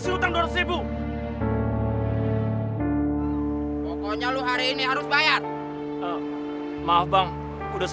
iya perubahan team ini campur putar